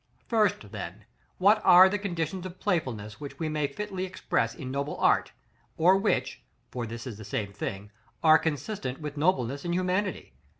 First, then, what are the conditions of playfulness which we may fitly express in noble art, or which (for this is the same thing) are consistent with nobleness in humanity?